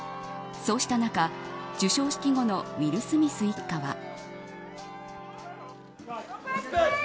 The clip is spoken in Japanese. そうした中、授賞式後のウィル・スミス一家は。